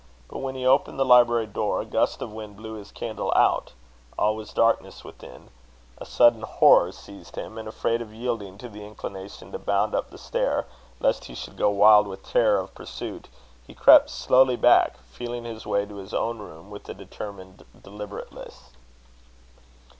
But when he opened the library door, a gust of wind blew his candle out; all was darkness within; a sudden horror seized him; and, afraid of yielding to the inclination to bound up the stair, lest he should go wild with the terror of pursuit, he crept slowly back, feeling his way to his own room with a determined deliberateness.